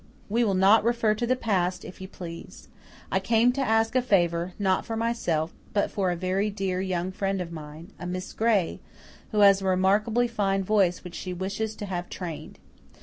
"We will not refer to the past, if you please. I came to ask a favour, not for myself, but for a very dear young friend of mine a Miss Gray, who has a remarkably fine voice which she wishes to have trained.